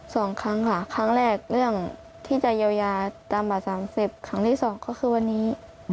สองครั้งคล้างแรกเรื่องที่ใจเยียวยาตามป่าว๓๐ของนี้สนข้อคือวันนี้